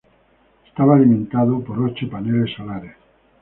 Estaba alimentado por ocho paneles solares.